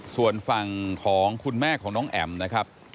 ส่วนฝั่งของคุณแม่ของน้องแอ๋มนะครับ